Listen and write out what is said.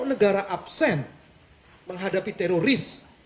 kalau negara absen menghadapi teroris kita harus menggunakan kata teroris